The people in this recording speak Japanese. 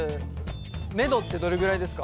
めどってどれぐらいですか？